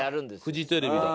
フジテレビだ。